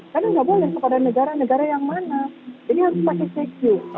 karena tidak boleh kepada negara negara yang mana jadi harus pakai secu